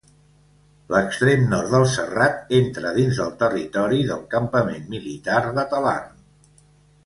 L'extrem nord del serrat entra dins del territori del Campament Militar de Talarn.